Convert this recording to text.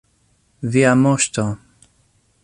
Via moŝto!